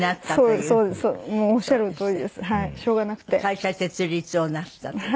会社設立をなすったっていう。